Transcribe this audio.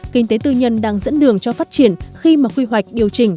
kinh tế tư nhân đang dẫn đường cho phát triển khi mà quy hoạch điều chỉnh